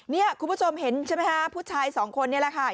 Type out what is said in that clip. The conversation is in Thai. นี่คุณผู้ชมเห็นใช่ไหมคะผู้ชายสองคนนี่แหละค่ะ